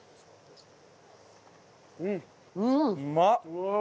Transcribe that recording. うまっ！